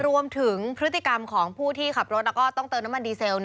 รวมถึงพฤติกรรมของผู้ที่ขับรถแล้วก็ต้องเติมน้ำมันดีเซล